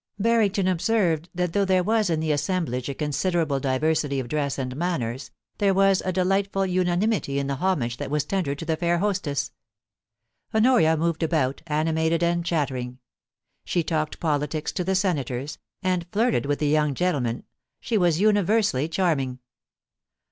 Barrington observed that though there was in the assem blage a considerable diversity of dress and manners, there was a delightful unanimity in the homage that was tendered to the fair hostess. Honoria moved about, animated and chattering. She talked politics to the senators, and flirted with the young gentlemen — she was universally charming.